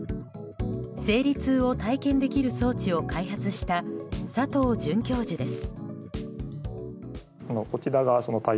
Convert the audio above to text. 生理痛を体験できる装置を開発した、佐藤准教授です。